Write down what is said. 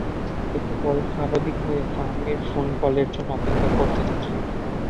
একটু পরে স্বাভাবিক হয়ে ফাহমির ফোন কলের জন্য অপেক্ষা করতে থাকি।